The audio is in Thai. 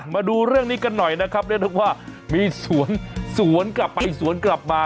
มาดูเรื่องนี้กันหน่อยนะครับเรียกได้ว่ามีสวนสวนกลับไปสวนกลับมา